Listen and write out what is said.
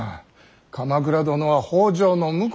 鎌倉殿は北条の婿。